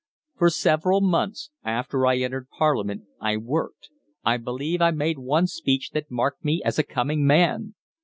For several months after I entered Parliament I worked. I believe I made one speech that marked me as a coming man."